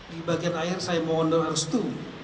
di bagian akhir saya mengundang arstu